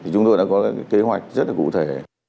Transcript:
chúng tôi đã có kế hoạch rất cụ thể